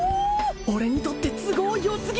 俺にとって都合よすぎ！